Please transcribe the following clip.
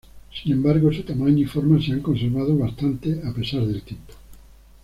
Sin embargo, su tamaño y forma se han conservado bastante a pesar del tiempo.